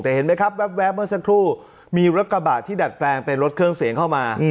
แต่เห็นไหมครับแว๊บเมื่อสักครู่มีรถกระบะที่ดัดแปลงเป็นรถเครื่องเสียงเข้ามา